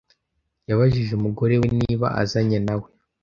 Yabajije umugore we niba azanye na we.